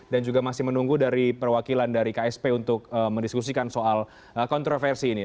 dan juga masih menunggu dari perwakilan dari ksp untuk mendiskusikan soal kontroversi ini